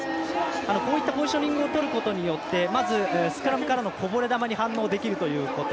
こういったポジショニングとることによってスクラムからのこぼれ球に反応できるということ。